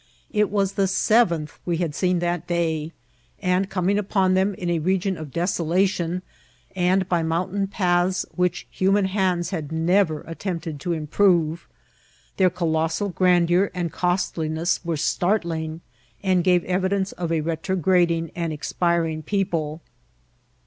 It was the A DB8BRTXD TILLAOI. 71 •eventh we had seen that day, and, coming upon them in a region of desolation, and by mountain paths vrtddi human hands had never attempted to improYe, their co lossal grandeur and costliness were startling, and gave evidence of a retrograding and expiring people.